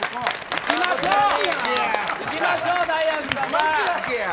行きましょう！